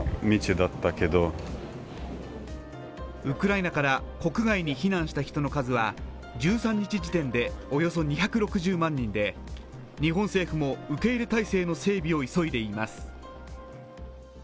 ウクライナから国外に避難した人の数は１３日時点でおよそ２６０万人で日本政府も受け入れ体制の整備を急いでいます。